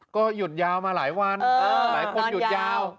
ก็หยุดยาวมาหลายวันหลายคนหยุดยาว